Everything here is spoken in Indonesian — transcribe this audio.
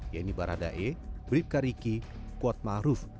yaitu baradae brib kariki kuat maruf